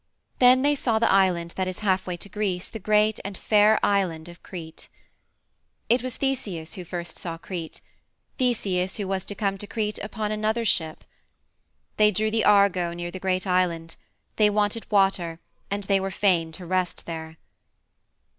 Then they saw the island that is halfway to Greece the great and fair island of Crete. It was Theseus who first saw Crete Theseus who was to come to Crete upon another ship. They drew the Argo near the great island; they wanted water, and they were fain to rest there.